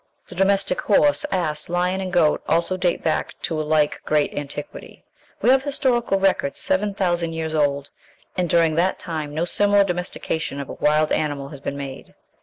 The domestic horse, ass, lion, and goat also date back to a like great antiquity. We have historical records 7000 years old, and during that time no similar domestication of a wild animal has been made.